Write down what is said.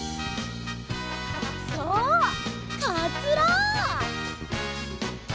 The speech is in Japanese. そうかつら！